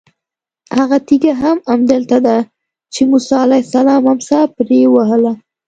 هغه تېږه هم همدلته ده چې موسی علیه السلام امسا پرې ووهله.